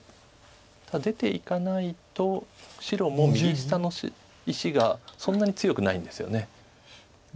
出ていかないと白も右下の石がそんなに強くないんですよね。